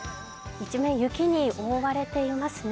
一面雪に覆われていますね。